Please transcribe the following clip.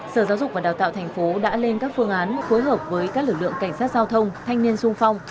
sở giáo dục và đào tạo thành phố đã lên các phương án phối hợp với các lực lượng cảnh sát giao thông thanh niên sung phong